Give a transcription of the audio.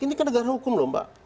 ini kan negara hukum lho mbak